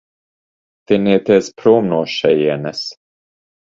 Tinieties prom no šejienes.